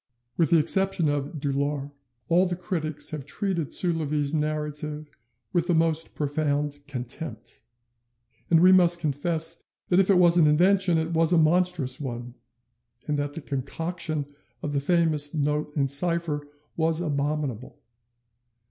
With the exception of Dulaure, all the critics have treated Soulavie's narrative with the most profound contempt, and we must confess that if it was an invention it was a monstrous one, and that the concoction of the famous note in cipher was abominable.